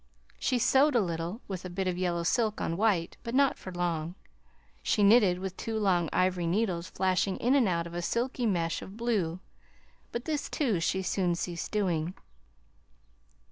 She sewed a little, with a bit of yellow silk on white but not for long. She knitted with two long ivory needles flashing in and out of a silky mesh of blue but this, too, she soon ceased doing.